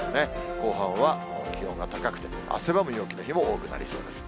後半は気温が高くて、汗ばむ陽気の日も多くなりそうです。